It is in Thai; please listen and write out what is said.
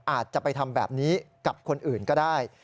อาจจะไปทำแบบนี้กับคนอื่นก็ได้